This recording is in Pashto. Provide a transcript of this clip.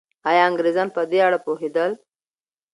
آیا انګریزان په دې اړه پوهېدل؟